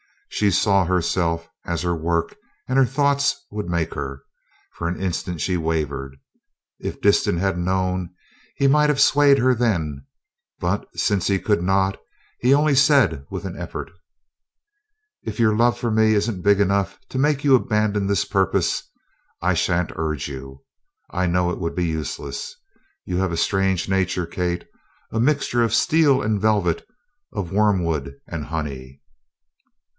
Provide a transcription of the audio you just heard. She saw herself as her work and her thoughts would make her. For an instant she wavered. If Disston had known, he might have swayed her then, but, since he could not, he only said with an effort: "If your love for me isn't big enough to make you abandon this purpose, I shan't urge you. I know it would be useless. You have a strange nature, Kate a mixture of steel and velvet, of wormwood and honey."